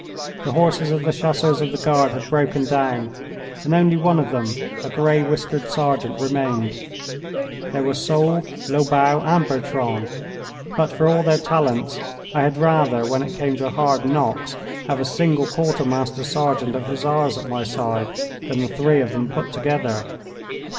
The horses of the Chasseurs of the Guard had broken down, and only one of them, a grey whiskered sergeant, remained. There were Soult, Lobau, and Bertrand; but, for all their talents, I had rather, when it came to hard knocks, have a single quartermaster sergeant of Hussars at my side than the three of them put together.